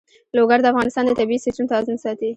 لوگر د افغانستان د طبعي سیسټم توازن ساتي.